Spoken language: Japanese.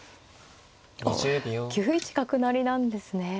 おっ９一角成なんですね。